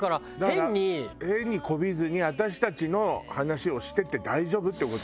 変にこびずに私たちの話をしてて大丈夫って事か。